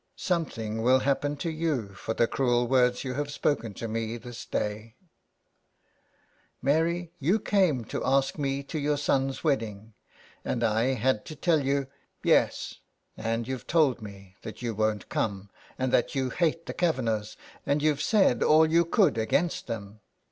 '' Something will happen to you for the cruel words you have spoken to me this day." 74 SOME PARISHIONERS. Mary, you came to ask me to your son's wed ding, and I had to tell you "'' Yes, and you've told me that you won't come and that you hate the Kavanaghs, and you've said all you could against them.